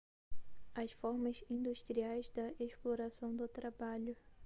às formas industriais da exploração do trabalho